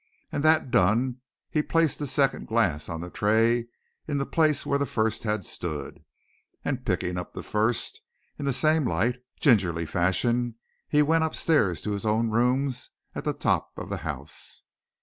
And that done he placed the second glass on the tray in the place where the first had stood, and picking up the first, in the same light, gingerly fashion, he went upstairs to his own rooms at the top of the house.